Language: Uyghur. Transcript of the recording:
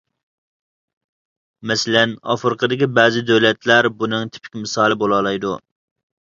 مەسىلەن ئافرىقىدىكى بەزى دۆلەتلەر بۇنىڭ تىپىك مىسالى بولالايدۇ.